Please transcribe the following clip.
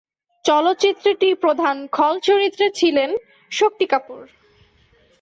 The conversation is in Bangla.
চলচ্চিত্রটিতে প্রধান খলচরিত্রে ছিলেন শক্তি কাপুর।